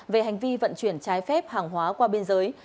về hành vi vận chuyển trái phép hàng hóa qua biên giới